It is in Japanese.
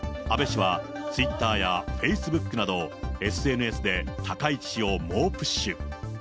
安倍氏はツイッターやフェイスブックなどＳＮＳで高市氏をもうプッシュ。